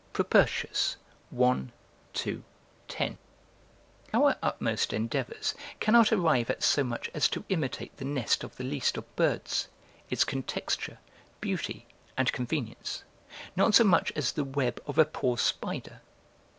"Propertius, i. 2, 10.] Our utmost endeavours cannot arrive at so much as to imitate the nest of the least of birds, its contexture, beauty, and convenience: not so much as the web of a poor spider.